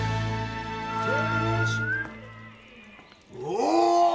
お！